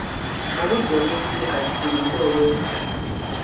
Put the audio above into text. Obudde buzibye kati tulinde olw'enkya.